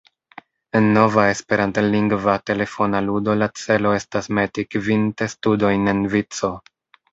En nova esperantlingva telefona ludo la celo estas meti kvin testudojn en vico.